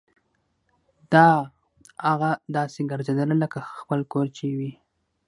داه اغه داسې ګرځېدله لکه خپل کور چې يې وي.